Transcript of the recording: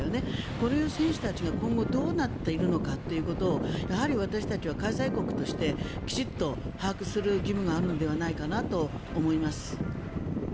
こういう選手たちが、今後どうなっていくのかということをやはり私たちは開催国としてきちっと把握する義務があるのではないかなと思います。